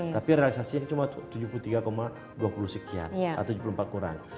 tapi realisasinya cuma tujuh puluh tiga dua puluh sekian atau tujuh puluh empat kurang